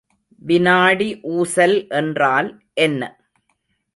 வினாடி ஊசல் என்றால் என்ன?